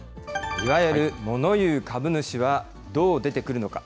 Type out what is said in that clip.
いわゆるモノ言う株主はどう出てくるのか。